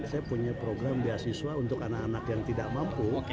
saya punya program beasiswa untuk anak anak yang tidak mampu